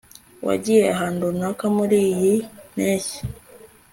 wagiye ahantu runaka muriyi mpeshyi